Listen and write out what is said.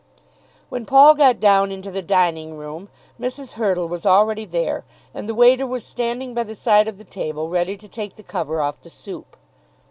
When Paul got down into the dining room Mrs. Hurtle was already there, and the waiter was standing by the side of the table ready to take the cover off the soup.